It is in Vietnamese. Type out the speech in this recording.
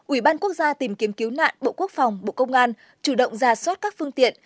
ủy ban quốc gia tìm kiếm cứu nạn bộ quốc phòng bộ công an chủ động ra soát các phương tiện